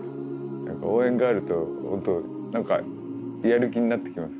応援があると本当何かやる気になってきます。